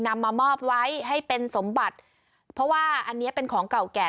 นำมามอบไว้ให้เป็นสมบัติเพราะว่าอันนี้เป็นของเก่าแก่